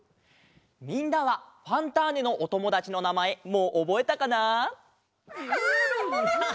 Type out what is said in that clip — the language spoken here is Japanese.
みんなは「ファンターネ！」のおともだちのなまえもうおぼえたかな？